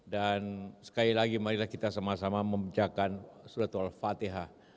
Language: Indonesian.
dan sekali lagi marilah kita sama sama membajakkan surat al fatiha